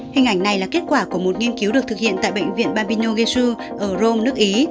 hình ảnh này là kết quả của một nghiên cứu được thực hiện tại bệnh viện babino ghezu ở rome nước ý